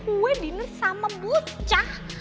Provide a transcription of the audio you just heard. kue diner sama buca